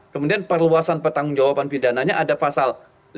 kemudian perluasan pertanggung jawaban pidananya ada pasal lima puluh lima